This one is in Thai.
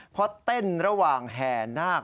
เพราะเต้นระหว่างแห่นาค